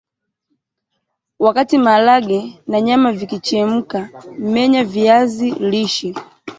Wakati maharage na nyama vikichemka menya viazi lishe